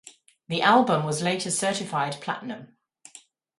The album was later certified Platinum.